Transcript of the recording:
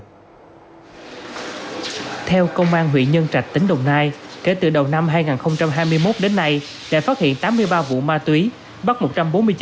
theo công an huyện nhân trạch tỉnh đồng nai kể từ đầu năm hai nghìn hai mươi một đến nay đã phát hiện tám mươi ba vụ ma túy